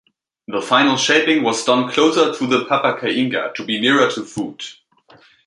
The final shaping was done closer to the papakainga to be nearer to food.